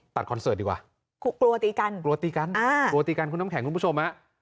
ตัดคอนเสิร์ตดีกว่ากลัวตีกันคุณน้ำแข็งคุณผู้ชม